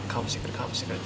カーブしてくる。